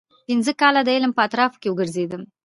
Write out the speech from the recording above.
پنځه کاله د عالم په اطرافو کې وګرځېدم.